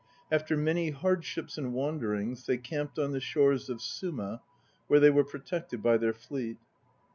After many hardships and wanderings they camped on the shores of Suma, where they were protected by their fleet.